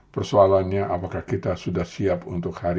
persoalannya apakah kita sudah siap untuk hari ini